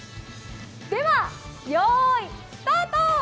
では用意、スタート！